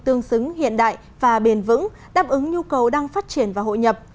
tương xứng hiện đại và bền vững đáp ứng nhu cầu đang phát triển và hội nhập